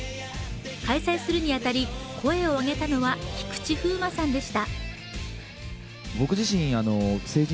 開催するに当たり、声を上げたのは菊池風磨さんでした。